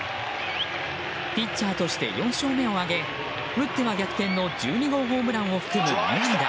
ピッチャーとして４勝目を挙げ打っては逆転の１２号ホームランを含む２安打。